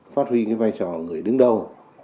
phát huy vai trò người đứng đầu